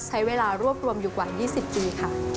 ใช้เวลารวบรวมอยู่กว่า๒๐ปีค่ะ